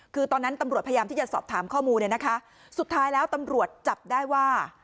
คือตอนนั้นตำรวจพยายามที่จะสอบถามข้อมูลเนี่ยนะคะสุดท้ายแล้วตำรวจจับได้ว่า